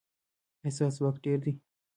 ایا ستاسو ځواک ډیر دی؟